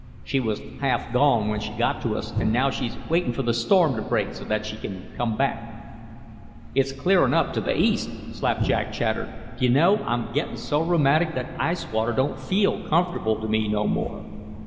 "She was half gone when she got to us, and now she's waiting for the storm to break so that she can come back." "It's clearing up to the east," Slapjack chattered. "D'you know, I'm gettin' so rheumatic that ice water don't feel comfortable to me no more."